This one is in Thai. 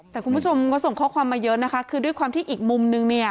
แต่คุณผู้ชมก็ส่งข้อความมาเยอะนะคะคือด้วยความที่อีกมุมนึงเนี่ย